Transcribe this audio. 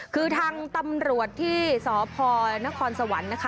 คือทางตำรวจที่สพนครสวรรค์นะคะ